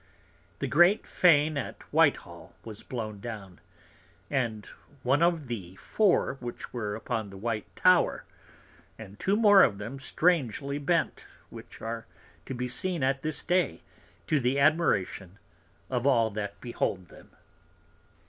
The great Fane at Whitehall was blown down; and one of the four which were upon the white Tower, and two more of them strangely bent; which are to be seen at this Day, to the Admiration of all that behold them.